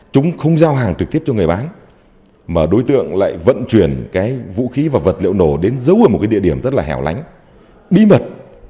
chúng không giao hàng trực tiếp cho người bán mà đối tượng lại vận chuyển cái vũ khí và vật liệu nổ đến giấu ở một cái địa điểm rất là hẻo lánh bí mật